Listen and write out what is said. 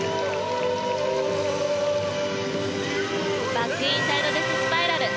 バックインサイドデススパイラル。